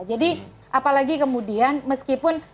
jadi apalagi kemudian